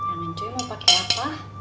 horang cuy mau pakai apa